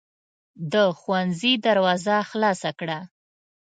د ښوونځي دروازه خلاصه کړه.